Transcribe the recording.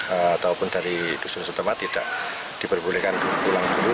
ataupun dari dusun setempat tidak diperbolehkan pulang dulu